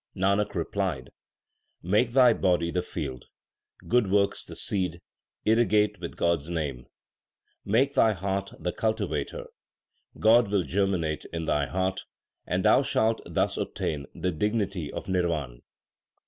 Nanak replied : Make thy body the field, good works the seed, irrigate with God s name ; Make thy heart the cultivator ; God will germinate in thy heart, and thou shalt thus obtain the dignity of nirvan.